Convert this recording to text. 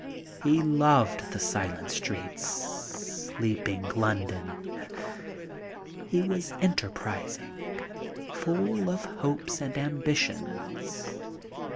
He loved the silent streets, sleeping London. He was enterprising, full of hopes and ambitions.